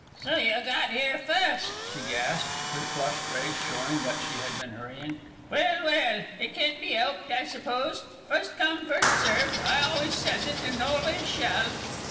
"So you got 'ere fust," she gasped, her flushed face showing that she had been hurrying. "Well, well, it can't be 'elped, I suppose, fust come fust served. I always says it and always shall."